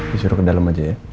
disuruh ke dalam aja ya